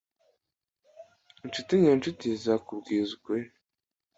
Inshuti nyanshuti izakubwiza ukuri.